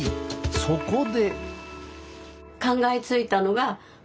そこで。